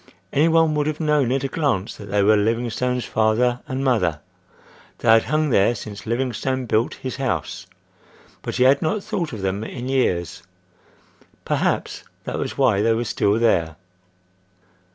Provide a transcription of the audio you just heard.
Any one would have known at a glance that they were Livingstone's father and mother. They had hung there since Livingstone built his house, but he had not thought of them in years. Perhaps, that was why they were still there.